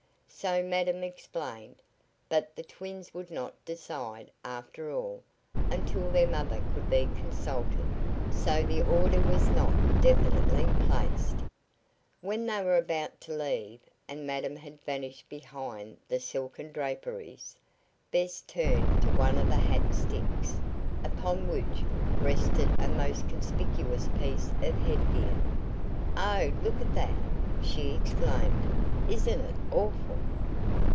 So madam explained. But the twins would not decide, after all, until their mother could be consulted, so the order was not definitely placed. When they were about to leave, and madam had vanished behind the silken draperies, Bess turned to one of the hat sticks, upon which rested a most conspicuous piece of headgear. "Oh, look at that!" she exclaimed. "Isn't it awful?"